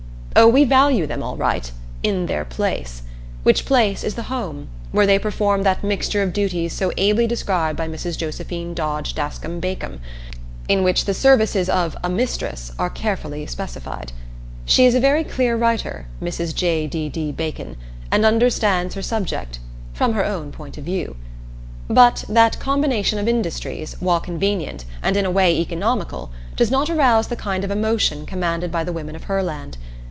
Oh, we value them, all right, "in their place," which place is the home, where they perform that mixture of duties so ably described by Mrs. Josephine Dodge Daskam Bacon, in which the services of "a mistress" are carefully specified. She is a very clear writer, Mrs. J. D. D. Bacon, and understands her subject from her own point of view. But that combination of industries, while convenient, and in a way economical, does not arouse the kind of emotion commanded by the women of Herland.